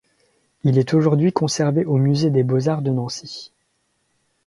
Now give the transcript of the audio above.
Il est aujourd'hui conservé au musée des beaux-arts de Nancy.